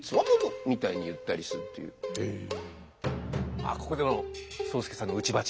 あっここでも宗助さんの打ち撥が。